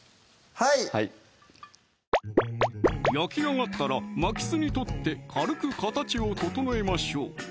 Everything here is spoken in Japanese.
はい焼き上がったら巻きすに取って軽く形を整えましょう